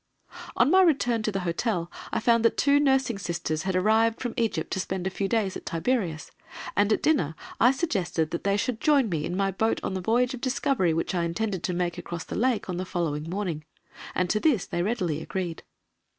On my return to the hotel I found that two Nursing Sisters had arrived from Egypt to spend a few days at Tiberias, and at dinner I suggested that they should join me in my boat on a voyage of discovery which I intended to make across the Lake on the following morning, and to this they readily agreed.